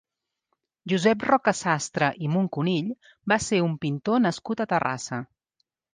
Josep Roca-Sastre i Muncunill va ser un pintor nascut a Terrassa.